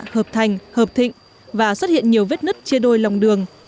hợp thành hợp thịnh và xuất hiện nhiều vết nứt chia đôi lòng đường